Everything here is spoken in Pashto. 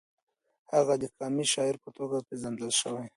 هغه د قامي شاعر په توګه پېژندل شوی.